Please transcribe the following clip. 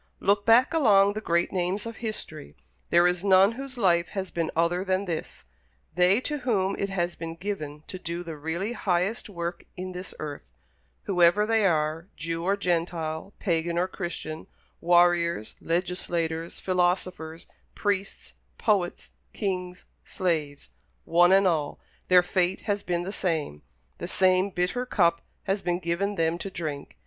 Look back along the great names of history; there is none whose life has been other than this. They to whom it has been given to do the really highest work in this earth whoever they are, Jew or Gentile, Pagan or Christian, warriors, legislators, philosophers, priests, poets, kings, slaves one and all, their fate has been the same the same bitter cup has been given them to drink.